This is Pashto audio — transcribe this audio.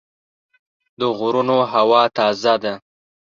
د غرونو هوا تازه ده.